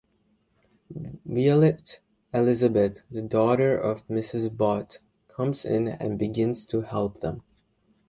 Violet Elizabeth, the daughter of Mrs. Bott, comes in and begins to "help" them.